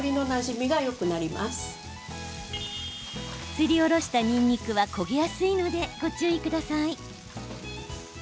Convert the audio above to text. すりおろした、にんにくは焦げやすいのでご注意ください。